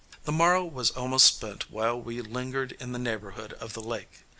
] The morrow was almost spent while we lingered in the neighborhood of the lake.